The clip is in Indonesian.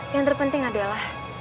yang terpenting adalah